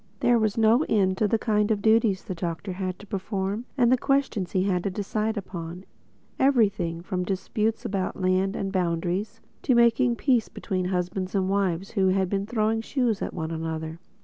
There was no end to the kinds of duties the Doctor had to perform and the questions he had to decide upon—everything, from settling disputes about lands and boundaries, to making peace between husband and wife who had been throwing shoes at one another.